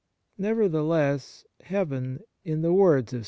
Nevertheless heaven, in the words of 1 Deut.